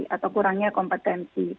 atau kurangnya kompetensi